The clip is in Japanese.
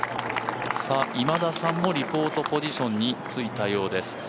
今田さんもリポートポジションについたようです。